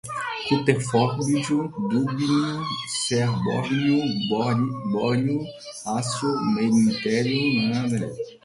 rutherfórdio, dúbnio, seabórgio, bóhrio, hássio, meitnério, darmstádtio, roentgênio, copernício, nihônio